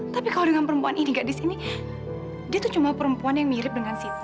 tapi kalau dengan perempuan ini gak di sini dia tuh cuma perempuan yang mirip dengan siti